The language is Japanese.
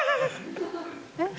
えっ？